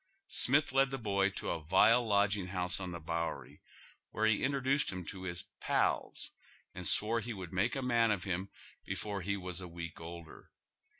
Smith led the boy to a vile lodging house on tlie Bowery, where he introdnced him to his ' pals ' and swore he would make a man of him before he was a week older.